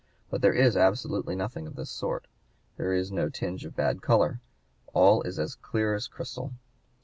But there is absolutely nothing of this sort. There is no tinge of bad color; all is clear as crystal.